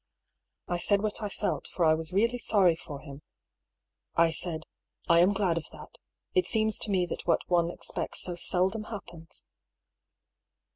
• I said what I felt, for I was really sorry for him. I said :^' I am glad of that. It seems to me that what one expects so seldom happens."